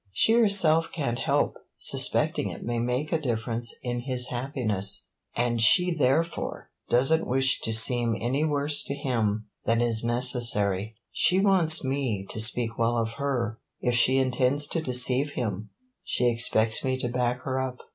She herself can't help suspecting it may make a difference in his happiness, and she therefore does n't wish to seem any worse to him than is necessary. She wants me to speak well of her; if she intends to deceive him she expects me to back her up.